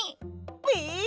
え！